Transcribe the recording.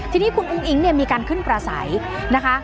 ทีนี้คุณอุ้งอิงมีการขึ้นปราศัยนะคะ